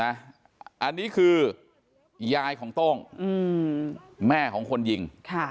อันนี้คือยายของโต้งแม่ของคนยิง